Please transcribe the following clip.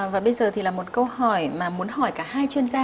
và bây giờ thì là một câu hỏi mà muốn hỏi cả hai chuyên gia